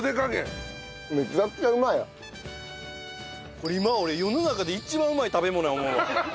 これ今俺世の中で一番うまい食べ物や思うわ。